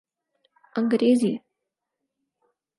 انگریزی